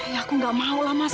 ya aku gak mau lah mas